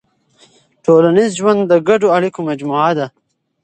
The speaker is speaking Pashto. ټولنیز ژوند د ګډو اړیکو مجموعه ده.